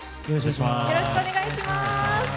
よろしくお願いします。